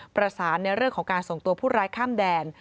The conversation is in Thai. ประสานในเรื่องของการส่งตัวผู้ร้ายข้ามแดน